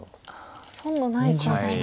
損のないコウ材が。